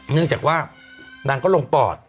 เนื่องจากว่านางก็ลงปอด